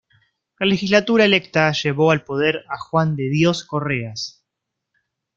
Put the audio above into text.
La legislatura electa llevó al poder a Juan de Dios Correas.